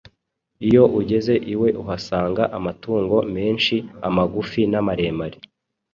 Iyo ugeze iwe uhasanga amatungo menshi, amagufi n’amaremare.